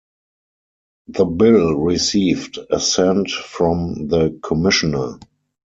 The bill received Assent from the Commissioner.